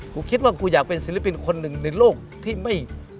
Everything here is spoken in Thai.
กูคิดว่ากูอยากเป็นศิลปินคนหนึ่งในโลกที่ไม่